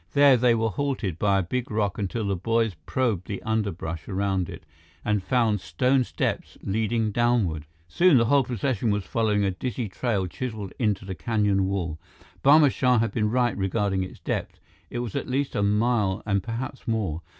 There they were halted by a big rock until the boys probed the underbrush around it and found stone steps leading downward. Soon, the whole procession was following a dizzy trail chiseled in the canyon wall. Barma Shah had been right regarding its depth: it was at least a mile and perhaps more.